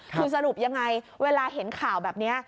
คือสรุปยังไงเวลาเห็นข่าวแบบนี้